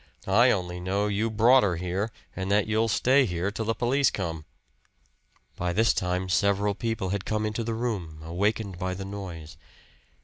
"I only know you brought her here, and that you'll stay here till the police come." By this time several people had come into the room, awakened by the noise.